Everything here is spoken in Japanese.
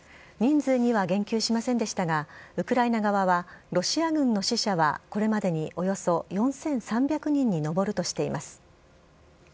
人数には言及しませんでしたが、ウクライナ側は、ロシア軍の死者は、これまでにおよそ４３００人に上るとしています。